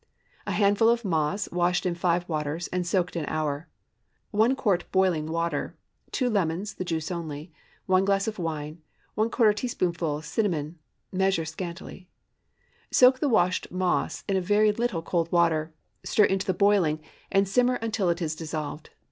✠ 1 handful moss, washed in five waters, and soaked an hour. 1 quart boiling water. 2 lemons—the juice only. 1 glass of wine. ¼ teaspoonful cinnamon. (Measure scantily.) Soak the washed moss in a very little cold water; stir into the boiling, and simmer until it is dissolved.